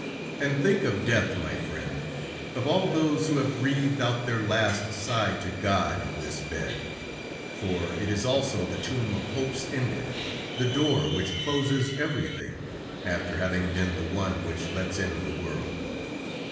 "And think of death, my friend; of all those who have breathed out their last sigh to God in this bed. For it is also the tomb of hopes ended, the door which closes everything, after having been the one which lets in the world.